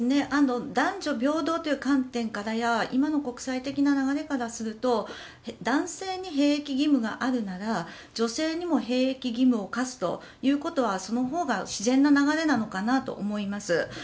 男女平等という観点や今の国際的な流れからすると男性に兵役義務があるなら女性にも兵役義務を課すということはそのほうが自然な流れなのかなと思います。